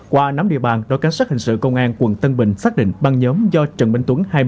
qua nắm địa bàn đội cảnh sát hình sự công an quận tân bình xác định băng nhóm do trần minh tuấn